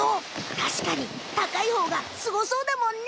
たしかに高いほうがすごそうだもんね。